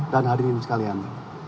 dan hadirin sekalian